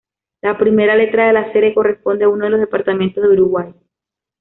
La primera letra de la serie corresponde a uno de los departamentos de Uruguay.